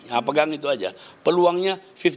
nah pegang itu aja peluangnya lima puluh